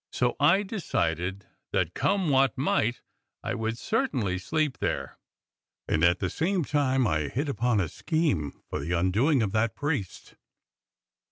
So I decided that, come what might, I would certainly sleep there, and at the same time I hit upon a scheme for the im doin' of that priest.